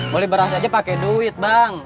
boleh beras aja pakai duit bang